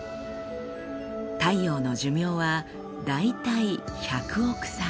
太陽の寿命は大体１００億歳。